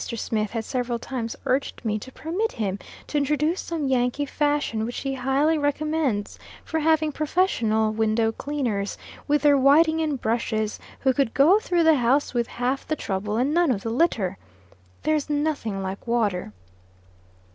Smith had several times urged me to permit him to introduce some Yankee fashion which he highly recommends for having "professional window cleaners," with their whiting and brushes, who could go through the house with half the trouble, and none of the litter. There's nothing like water.